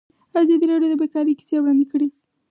ازادي راډیو د بیکاري کیسې وړاندې کړي.